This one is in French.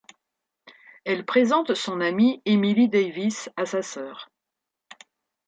Elle présente son amie Emily Davies à sa sœur.